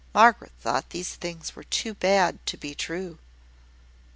Margaret thought these things were too bad to be true.